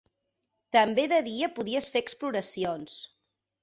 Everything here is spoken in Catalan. També de dia podies fer exploracions